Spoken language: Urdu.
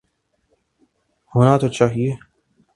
ہونا تو چاہیے۔